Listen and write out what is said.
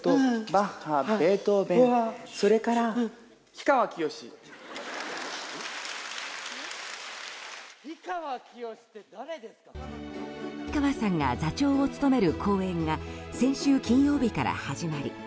氷川さんが座長を務める公演が先週金曜日から始まり